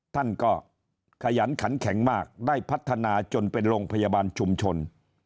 ท่านก็ขยันขันแข็งมากได้พัฒนาจนเป็นโรงพยาบาลชุมชน